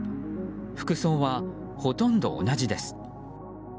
服装は、ほとんど同じです。